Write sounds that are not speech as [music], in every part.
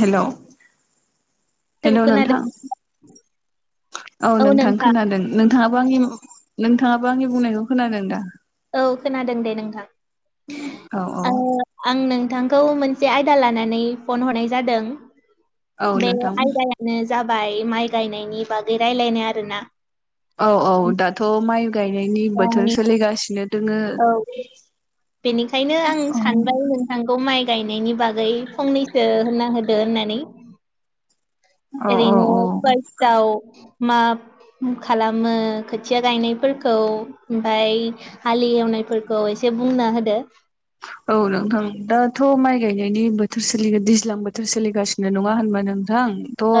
Hello औ hello खोनादों नोंथां औ नोंथां खोनादों नोंथाङाबो आंनि नोंथाङाबो आंनि बुंनायखौ खोनादों दा औ खोनादों दे नोंथां औ औ आं नों थांखौ मोनसे आयदा लानानै फन हरनाय जादों औ बे नोंथां आयदायानो जाबाय माइ गायनायनि बागै रायलायनाय आरोना औ औ दाथ' माइ गायनायनि बोथोर ओमफ्राय सोलिगासिनो दोङो औ बेनिखायनो आं औ सानबाय नोंथांखौ माइ गायनायनि बागै फंनैसो होनना होदो होननानै औ एरैनो औ फार्स्टआव मा खालामो खोथिया गायनायफोरखौ ओमफाय हालि एवनायफोरखौ एसे बुंना होदो औ नोंथां दाथ' माइ गायनायनि बोथोर सोलि दैज्लां बोथोर सोलिगासिनो नङा होनबा नों- थां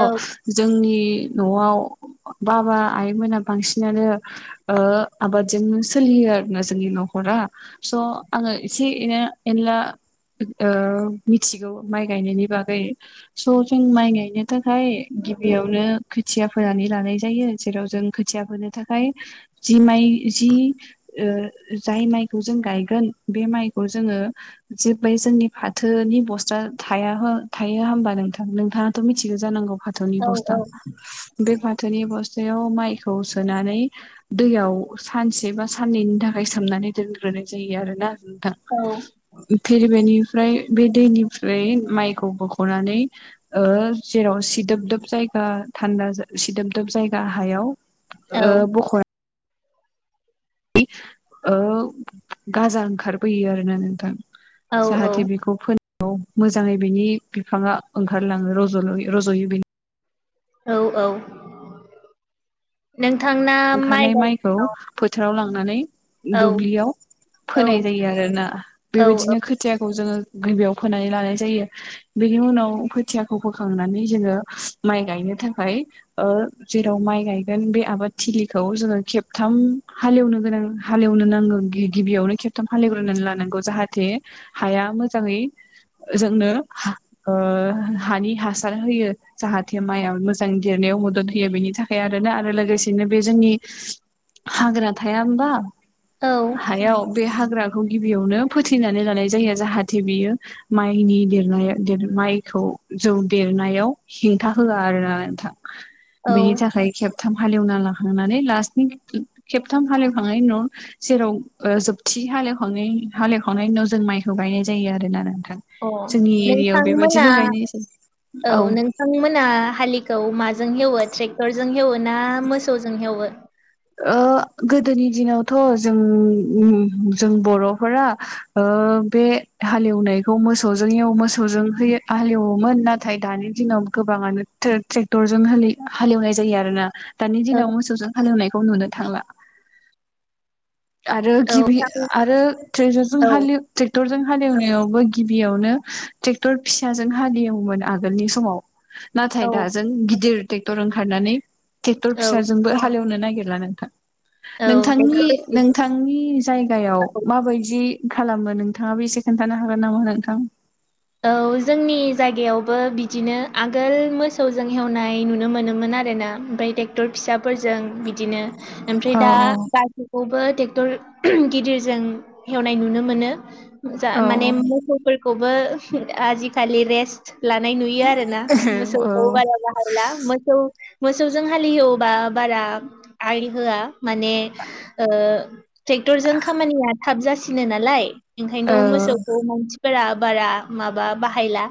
औ जोंनि न'आव बाबा आइमोना बांसिनानो ओ आबादजोंनो सोलियो आरो ना जोंनि न'खर रा स' आङो इसे एनो-एनला ओ मिथिगौ माइ गायनायनि बागै स' जों माइ गायनो थाखाय गिबियावनो खोथिया फोनानै लानाय जायो जेराव जों खोथिया फोनो थाखाय जि माइ जि ओ जाय माइखौ जों गायगोन बे माइ जोङो जेबलाय जोंनि फाथोनि बस्था थाया हो थायो होमबा नोंथां थ' मिथिगौ जानांगौ फाथोनि औ औ बस्था बे फाथोनि बस्था याव माइखौ सोनानै दैयाव सानसे बा साननैनि थाखाय सोमनानै दोनग्रो नाय जायो आरोना नोंथां औ फिर बेनिफ्राय बे दैनिफ्राय माइखौ बोख'नानै ओ जेराव सिदोब दोब जायगा थान्दा सिदोबदोब जायगा हायाव ओ औ बख' नानै गाजा ओंखारबोैयो आरोना नोंथां औ जाहाथे बेखौ फोनो मोजाङै बेनि बिफाङा ओंखारलाङो रज' रज'यो बेनि औ औ नोंथांना माइ गायनायाव नानै औ दुब्लियाव औ फोनाय जायो आरोना औ बेबायदिनो खोथियाखौ जोङो गिबियाव फोनानै लानाय जायो बेनि उनाव खोथियाखौ फोखांनानै जोङो माइ गायनो। थाखाय ओ जेराव माइ गायोन बे आबाद थिलिखौ जोङो खेबथाम हालेवनो गोनां हालेवनो नांगौ गिबियावनो खेबथाम हालेवग्रोना लानांगौ जाहाथे हाया मोजाङै जोंनो ओ हानि हासार होयो जाहाथे माइआ मोजां देरना याव मदद होयो बेनि थाखाय आरोना आरो लोगोसे बिदिनो बे जोंनि हाग्रा थाया होमबा औ हायाव बे हाग्रा खौ गिबियावनो फोथैनानै लानाय जायो जाहाथे बियो माइनि देरनाय माइखौ जौ देरनायाव हेंथा होआ आरो ना नोंथां औ बेनि थाखाय खेबथाम हालेवना लाखांनानै लास्टनि खेबथाम हालएव खांनायनि उनाव जेराव ओ जोबथि हालेवखनायनि हालेवखांनायनि उनाव जों माइखौ गायनाय जायो आरोना नोंथां अ जोंनि एरियायाव नोंथांमोना बेबायदिनो गायनाय जायो औ नोंथांमोना हालिखौ मा जों हेवो ट्रेक्टरजों हेवो ना मोसौजों हेवो? ओ गोदोनि दिनाव थ' जोंनि जों बर'फोरा बे हालएवनायखौ मोसौजों हेव मोसौजों होयो हालेवोमोन नाथाय दानि दिनाव गोबाङानो ट्रे- ट्रेक्टर जों हालि-हालएवनाय जायो आरोना दानि औ दिनाव मोसौजों हालएवनाय थांला आरो औ गिबि नोंथां आरो ट्रेजरजों औ हालि ट्रे- टरजों हालेवनायावबो गिबियावनो ट्रेक्टर फिसाजों हालेवोमोन आगोलनि समाव नाथाय औ दाजों गिदिर ट्रेक्टर ओंखारनानै ट्रेक्टर औ फिसाजोंबो हालेवनो नागि गिरा नोंथां औ नोंथांनि ट्रेक्टर नोंथांनि जायगायाव औ माबायदि खालामो नोंथाङाबो एसे खोन्थानो हागोन नामा नोंथां औ जोंनि जायगायावबो बिदिनो आगोल मोसौजों हेवनाय नुनो मोनोमोना आरोना मफ्राय ट्रेक्टर फिसाफोरजों बिदिनो मफ्राय औ दा गासैखौबो टर गिदिरजों हेवनाय नुनो मोनो जा औ माने मोसौफोर खौबो आजिखालि रेस्ट लानाय नुयो आरोना मोसौखौ बारा बाहायला मोसौ मोसौजों हालिहवोबा बारा आइ होआ माने ट्रेक्टरजों खामानिया थाब जासिनो नालाय औ ओंखायनोथ' मोसौखौ मानसिफोरा बारा माबा बाहायला।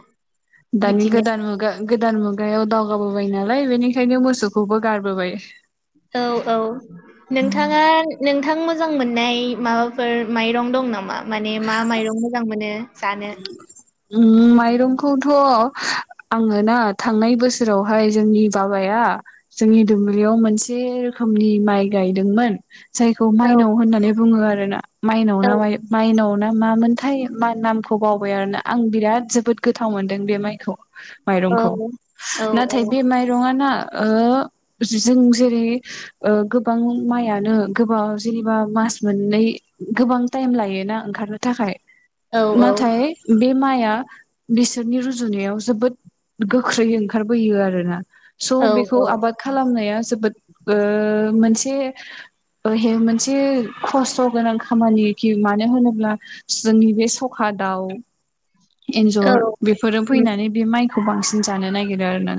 दानि बिदिनो गोदान मुगा गोदान मुगायाव दावगाबोबाय नालाय बेनिखायनो मोसौखौबो गारबोबाय। औ औ नोंथाङा नोंथांमो जां मोननाय माबाफोर माइरं दं नामा माने मा माइरं मोजां मोनो जानो उम माइरंखौथ' आङो ना थांनाय बोसोरावहाय जोंनि बाबाया आ जोंनि दुब्लियाव मोनसे रोखोमनि माइ गायदोंमोन। जायखौ औ माइनाव होननानै बुङो आरो ना माइनाव ना माइ माइनाव ना मा मोनथाय मा नाम खौ बावबाय आरोना आं बिराद जोबोद गोथाव मोन्दों बे माइखौ औ माइरंखौ औ नथाय बे माइरंआ ना ओ जों जेरै ओ गोबां माइआनो गोबा जेनेबा मा मास मोननै गोबां थायमलायोना ओंगखारनो थाखाय औ नाथाय बे माइ या बिसोरनि रुजुनायाव जोबोद गोख्रैयै ओंखारबोयो आरो ना। स' औ बेखौ आबाद खालामनाया जोबोद ओ मोनसे ओ हे मोनसे खस्थ' गोनां खामानिखि मानो होनोब्ला जोंनि बे स खादाव एन्जर बेफोरो फैनानै बे माइ खौ बांसिन जानो नागिरो आरोना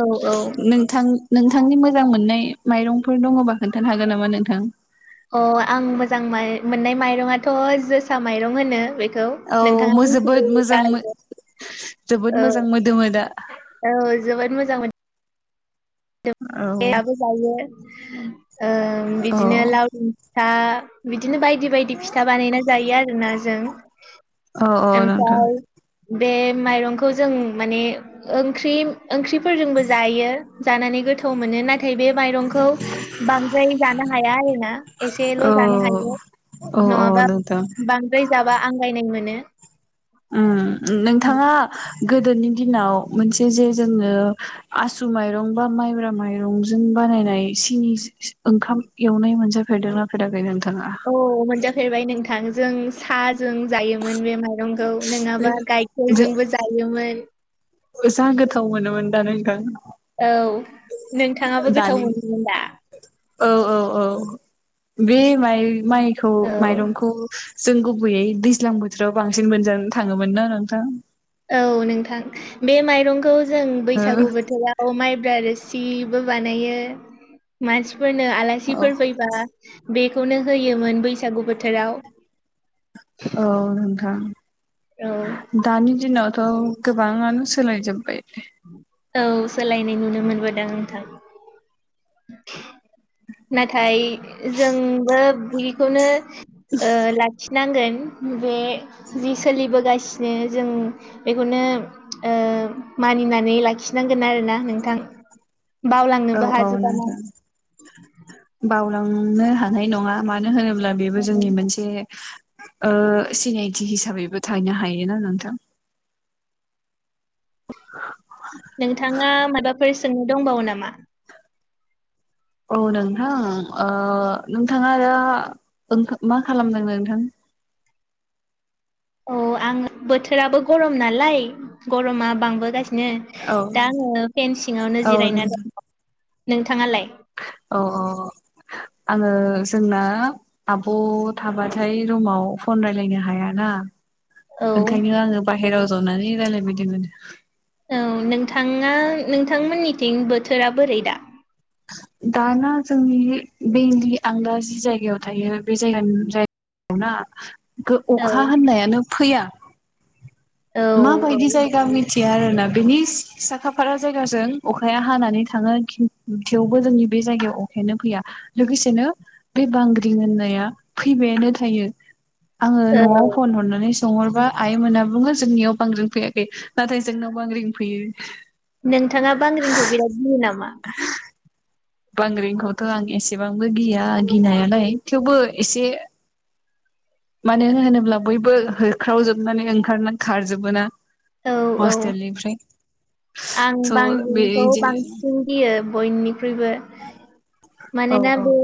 औ औ नोंथां नों थांनि मोजां मोननाय माइरंफोर दङबा खोन्थानो हागोन नामा नोंथां? अ आं मोजां मोइ मोननाय माइरङाथ' जोसा माइरं होनो बे खौ औ नोंथाङा मो मिथिगौ जोबोद मोजां जाहाय जोबोद औ मोजां मोदोमो दा औ जोबोद मोजां मोन। औ फिथाबो जायो ओ औ बिदिन लावदु फिथा बिदिनो बायदि बायदि फिथा बानायना जायो आरोना जों। औ औ नोंथां। ओमफ्राय बे माइरंखौ जों माने ओंख्रि ओंख्रिफोरजोंबो जायो। जानानै गोथाव मोनो ना थाय बे माइरंखौ बांद्राय जानो हाया आरोना एसेल' औ जानो हायो। औ नङाबा नोंथां बांद्राय जाबा आंगायनाय मोनो। उम नोंथाङा गोदोनि दिनाव मोनसे जे जोङो आसु माइरं बा माइब्रा माइरं जों बानायनाय सिनि सि ओंखाम एवनाय मोनजाफेरदोंनाफेराखै नोंथां? औ मोनजाफेरबाय नोंथां जों साजों जायोमोन। मोन बे माइरंखौ बे नङाबा बे गाइखेरजोंबो जायोमोन। जा गोथाव मोनोमोन दा नोंथां औ नोंथाङाबो गोथाव दानि मोनोमोन दा औ औ औ बे माइ माइखौ औ माइरंखौ जों गुबैयै दैज्लां बोथोराव बांसिन मोनजानो थाङोमोन ना नोंथां। औ नोंथां बे माइरंखौ जों बैसागु ओ बोथोराव माइब्रा रोसि बो बानायो मानसिफोरनो औ आलासिफोर फैबा बेखौनो होयोमोन बैसागु बोथोराव औ नोंथां। औ दानि दिनावथ' गोबाङानो सोलायजोब्बाय। औ सोलायनाय नुनो मोनबोदों नोंथां। नाथाय जोंबो बिखौनो ओ लाखि नांगोन बे जि सोलिबोगासिनो जों बेखौनो ओ मानिनानै लाखिनां गोन आरोना नोंथां। औ बावलांनोबो औ हाजोब ना। नोंथां बावलांनो हानाय नङा, मानो होनोब्ला बेबो जोंनि मोनसे ओ सिनायथि हिसाबैबो थानो हायोना नोंथां। नोंथाङा माबाफोर सोंनो दंबावो नामा? औ [unintelligible] नोंथां, ओ नोंथाङा दा ओं मा खालामदों नोंथां? औ आं बोथोराबो गरम नालाय गरमा बांबोगासि नो, औ दा आङो फेन सिंआवनो जिरायना दं। नोंथाङालाय? अ अ। आङो, जोंना आब' थाबाथाय रुमाव फन रायलायनो हायाना औ ओंखायनो आङो बाहेराव जनानै रायलाय बायदों। औ नोंथाङा, नोंथांमोननिथिं बोथोरा बोरै दा? दाना जोंनि बेलि आं दा जि जायगायाव थायो बे जायगानि जाय- - ना, औ अखा होननायानो फैया। औ मा औ बायदि जायगा आं मिथि या आरोना‌ बेनि साखाफारा जायगाजों अखाया हानानै थाङो थेवबो जोंनि बे बे जायगायाव अखायानो फैया। लोगोसेनो बे बांग्रि होननाया फैबायानो थायो। आङो औ न'आव फन हरनानै सोंहरबा आइ मोना बुङो जोंनियाव बांग्रि फैयाखै। नाथाय जोंनाव बांग्रिं फैयो। नोंथाङा बांग्रिंखौ बिराद गियो नामा? बांग्रिंखौथ' आं एसेबांबो गिया गिनायालाय, थेवबो एसे मानो होनोब्ला बयबो होख्रावजोबनानै ओंखारनानै खारजोबोना। औ औ [inaudible] आं स' बे बांग्रिंखौ बिदिनो बांसिन गियो। बयनिख्रुइबो। औ मानोना औ बे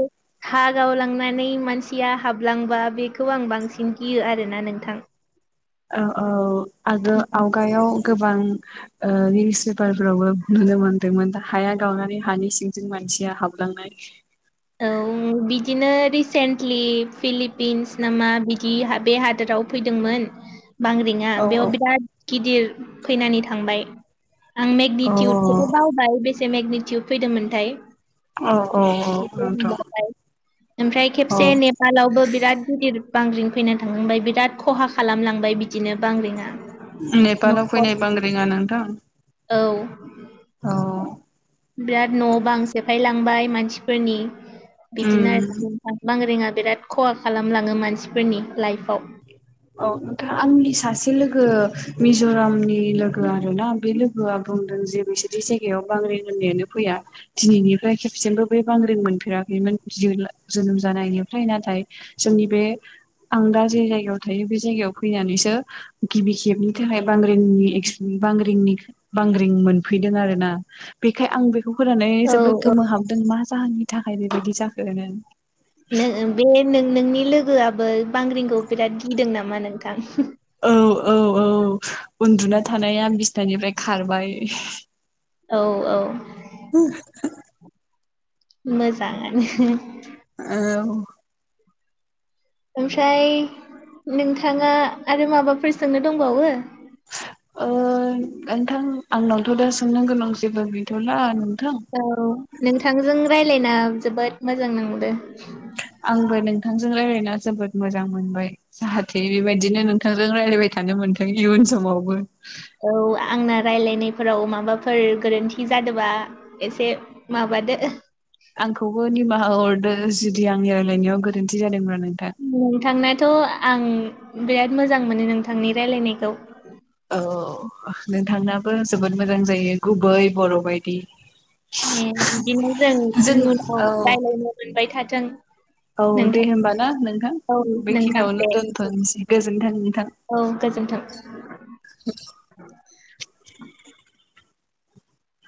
हा गावलांनानै मानसिया हाबलांबा बेखौ आं बांसिन गियो आरोना नोंथां। औ औ आरो आवगायाव गोबां ओ निउस पेपारफोरावबो नुनो मोनदोंमोन, हाया गावनानै हानि सिंजों मान सिया हाबलांनाय। औ बिदिनो रिसेन्टलि फिलिपिन्स नामा बि बे हादोराव फैदोंमोन बांग्रिंआ। औ बेयाव औ बिराद गिदिर फैनानै थांबाय। आं अ मेगनिटिउडखौबो बावबाय बे से मेगनेटिउद फैदोंमोनथाय। औ। औ [unintelligible] नोंथां ओमफ्राय औ खेबसे नेपालावबो बिराद गिदिर बांग्रिं फैना थांखांबाय, बिराद खहा खालामलांबाय बिदिनो बांग्रिंआ। नेपालाव न'खर फैनाय बांग्रिंङा नोंथां। औ [inaudible] औ। बिराद न' बां सेफायलांबाय मानसिफोरनि, बिदिनो उम [unintelligible] बांग्रिंआ बिराद खहा खालामलाङो मानसिफोरनि, लाइफआव। औ नोंथां आंनि सासे लोगो, मिज'रामनि लोगो आरो ना बे लोगोआ बुंदों जे बिसोरनि जायगायाव बांग्रिं होननायानो फैया, दिनैनिफ्राय खेबसेबो बे बांग्रिं मोनफेरा [unintelligible] जोनोम जानायनिफ्राय, नाथाय जोंनि बे आं दा जे जायगायाव थायो बे जायगायाव फैनानैसो, गिबि खेबनि थाखाय बांग्रिंनि एकस बांग्रिंनि बांग्रिं मोनफैदों आरोना बेखाय आं बेखौ होनानै औ जोबोद औ गोमोहाबदों मा जाहोननि थाखाय बेबायदि जाखो बे नों नोंनि लोगोआबो बांग्रिंखौ बिराद गिदों नामा नोंथां? औ औ औ उन्दुना थानाया बिसनानिफ्राय खारबाय‌ औ औ [inaudible] मोजाङानो। औ ओमफ्राय नोंथाङा आरो माबाफोरजोंनो दंबावो? ओ नोंथां आंनावथ' दा सोंनो गोनां जेबो गैथ'ला। औ नोंथांजों रायज्लायना जोबोद मोजां नांदों। आंबो नोंथांजों रायज्लायना जोबोद मोजां मोनबाय जाहाथे बेबायदिनो नोंथांजों रायलाय फैबाय थानो मोनथों इयुन समावबो औ आंना रायलायनायफोराव माबाफोर गोरोन्थि जादोंबा एसे माबा बादो आंखौबो निमाहा हरदो जुदि आंनि रायज्लायनायाव गोरोन्थि जादोंबा नोंथांनाथ' आं बिराद मोजां मोनो नोंथांनि रायलायनायखौ। औ औ नोंथांनाबो जोबोद मोजां जायो गुबै बर' बायदि। ए बिदिनो जों उनाव रायलायनो मोनबाय थाथों। औ नोंथां। दे होमबा ना नोंथां औ नोंथां बेखिनियावनो दे दोनथ'नोसै गोजोनथों नोंथां। औ गोजोन्थों। [inaudible] [inaudible]